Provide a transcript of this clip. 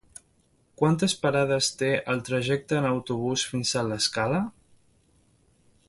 Quantes parades té el trajecte en autobús fins a l'Escala?